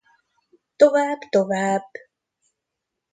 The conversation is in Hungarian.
Tovább, tovább!